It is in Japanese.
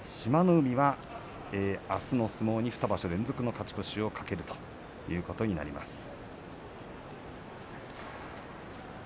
海はあすの相撲に２場所連続の勝ち越しを懸けるということになりました。